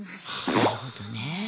なるほどね。